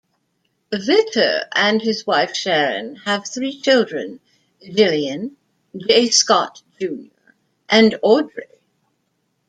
Vitter and his wife Sharon have three children: Jillian, J. Scott Junior and Audrey.